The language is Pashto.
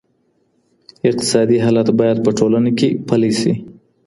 اقتصادي عدالت باید په ټولنه کي پلی سي.